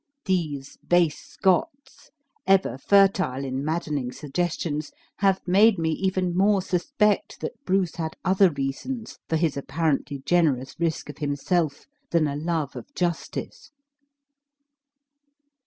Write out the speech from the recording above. These base Scots, ever fertile in maddening suggestions, have made me even more suspect that Bruce had other reasons for his apparently generous risk of himself, than a love of justice."